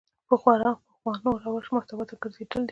پخوانو روش محتوا ته ګرځېدل دي.